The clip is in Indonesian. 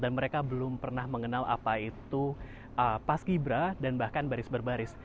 mereka belum pernah mengenal apa itu paski bra dan bahkan baris baris